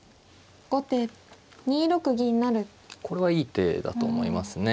これはいい手だと思いますね。